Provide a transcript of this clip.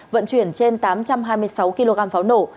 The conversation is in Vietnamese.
vận chuyển trên tám trăm hai mươi sáu kg pháo nổ